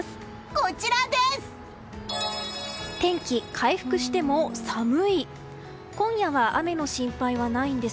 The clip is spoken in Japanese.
こちらです！